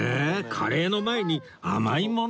カレーの前に甘いもの？